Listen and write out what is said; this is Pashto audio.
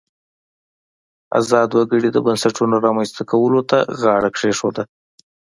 ازاد وګړي د بنسټونو رامنځته کولو ته غاړه کېښوده.